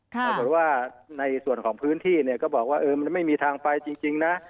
ปรากฏว่าในส่วนของพื้นที่เนี่ยก็บอกว่ามันไม่มีทางไปจริงนะ